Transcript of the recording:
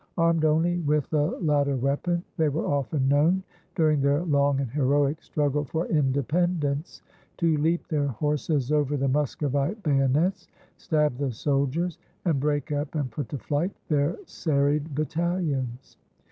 Armed only with the latter weapon, they were often known, during their long and heroic struggle for independence, to leap their horses over the Muscovite bayonets, stab the soldiers, and break up and put to flight their serried battalions.